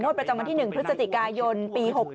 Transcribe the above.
โน้ตประจำวันที่หนึ่งพฤศจิกายนปี๖๑